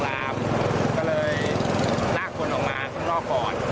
เพราะรถไฟมันแรงเจบละครึ่ง